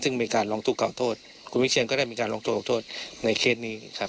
ซึ่งมีการร้องทุกข่าโทษคุณวิเชียนก็ได้มีการลงโทษในเคสนี้ครับ